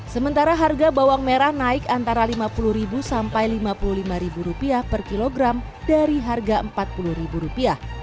sementara harga bawang merah naik antara rp lima puluh sampai rp lima puluh lima per kilogram dari harga rp empat puluh